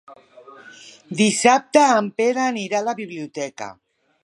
Dissabte en Pere anirà a la biblioteca.